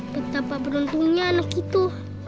betapa beruntungnya anak itu